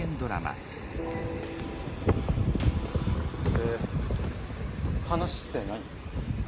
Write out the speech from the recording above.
で話って何？